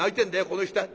この人は」。